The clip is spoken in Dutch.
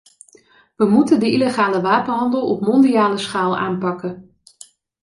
We moeten de illegale wapenhandel op mondiale schaal aanpakken.